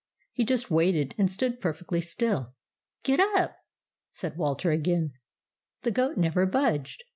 He just waited, and stood perfectly still. " Get up !" said Walter again. The goat never budged.